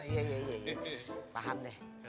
iya paham deh